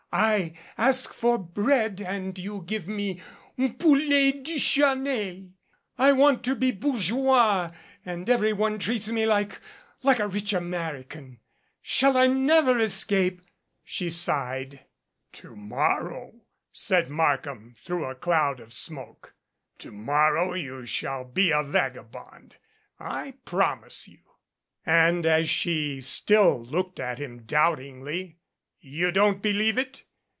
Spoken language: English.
I 'ask for bread' and you give me poulet Duchanel. I want to be bourgeois and everyone treats me like like a rich American. Shall I never escape?" she sighed. "To morrow " said Markham through a cloud of smoke. "To morrow you shall be a vagabond. I promise you." And, as she still looked at him doubtingly, "You don't believe it?